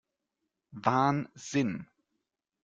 Wahnsinn!